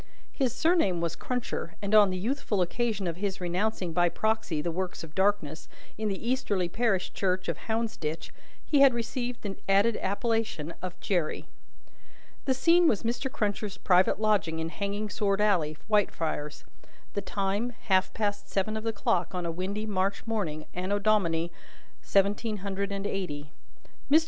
His surname was Cruncher, and on the youthful occasion of his renouncing by proxy the works of darkness, in the easterly parish church of Hounsditch, he had received the added appellation of Jerry. The scene was Mr. Cruncher's private lodging in Hanging sword alley, Whitefriars: the time, half past seven of the clock on a windy March morning, Anno Domini seventeen hundred and eighty. (Mr.